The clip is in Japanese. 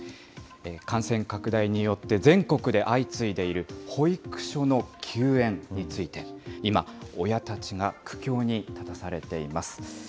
感染拡大によって、全国で相次いでいる保育所の休園について、今、親たちが苦境に立たされています。